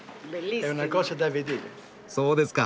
そうですか。